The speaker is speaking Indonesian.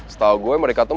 setau gue mereka tuh